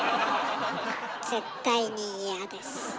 絶対に嫌です。